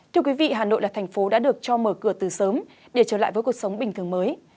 thưa quý vị hà nội là thành phố đã được cho mở cửa từ sớm để trở lại với cuộc sống bình thường mới